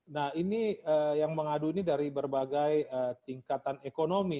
nah ini yang mengadu ini dari berbagai tingkatan ekonomi